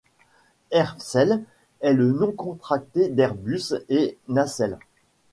Aircelle est le nom contracté d'Airbus et Nacelle.